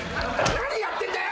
何やってんだよ！